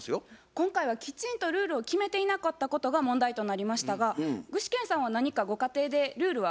今回はきちんとルールを決めていなかったことが問題となりましたが具志堅さんは何かご家庭でルールは決めておられますか？